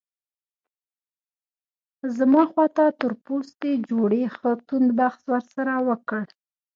زما خواته تور پوستي جوړې ښه توند بحث ورسره وکړ.